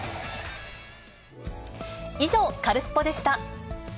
以上、カルスポっ！でした。